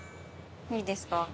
いいですか？